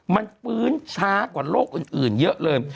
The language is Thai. มันฟื้นช้ากว่าโรคอื่นเยอะเลย